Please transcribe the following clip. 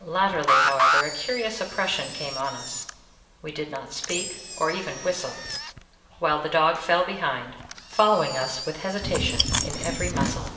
Latterly, however, a curious oppression came on us; we did not speak or even whistle, while the dog fell behind, following us with hesitation in every muscle.